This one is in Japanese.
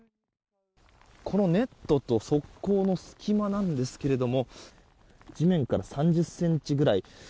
このネットと側溝の隙間なんですけれども地面から３０ｃｍくらい。